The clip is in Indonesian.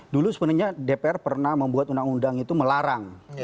dulu sebenarnya dpr pernah membuat undang undang itu melarang